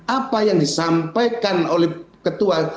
apa yang disampaikan oleh ketua